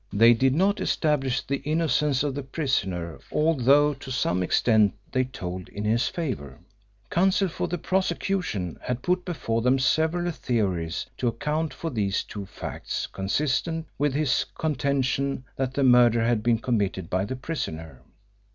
They did not establish the innocence of the prisoner, although to some extent they told in his favour. Counsel for the prosecution had put before them several theories to account for these two facts consistent with his contention that the murder had been committed by the prisoner.